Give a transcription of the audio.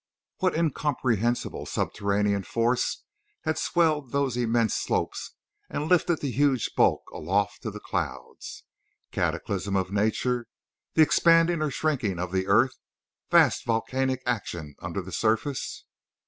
What incomprehensible subterranean force had swelled those immense slopes and lifted the huge bulk aloft to the clouds? Cataclysm of nature—the expanding or shrinking of the earth—vast volcanic action under the surface!